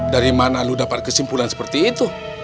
dari mana lu dapat kesimpulan seperti itu